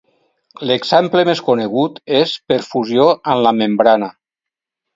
L'exemple més conegut és per fusió amb la membrana.